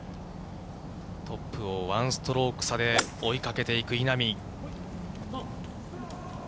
トップを１ストローク差で追いかけていく稲見。